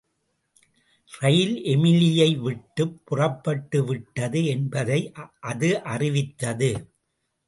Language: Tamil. ரயில் எமிலியை விட்டுப் புறப்பட்டுவிட்டது என்பதை அது அறிவித்தது.